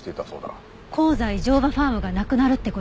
香西乗馬ファームがなくなるって事？